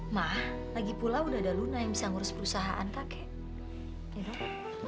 mah lagi pula udah ada luna yang bisa ngurus perusahaan kakek